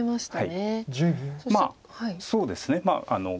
まあそうですね。